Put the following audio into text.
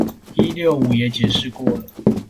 一六五也解釋過了